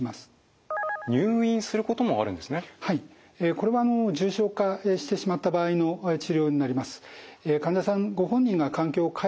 これは重症化してしまった場合の治療になります。